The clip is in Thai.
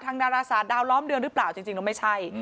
ดาราศาสดาวล้อมเดือนหรือเปล่าจริงแล้วไม่ใช่